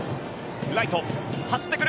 ライト、走ってくる。